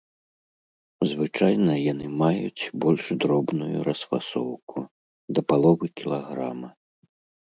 Звычайна яны маюць больш дробную расфасоўку, да паловы кілаграма.